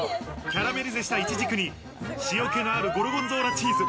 キャラメリゼしたイチジクに、塩気のあるゴルゴンゾーラチーズ。